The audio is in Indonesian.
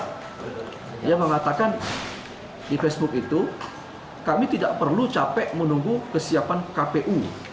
dia mengatakan di facebook itu kami tidak perlu capek menunggu kesiapan kpu